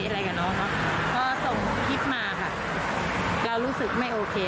เพราะว่าน้องมีปัญหากับเจ้าหน้าที่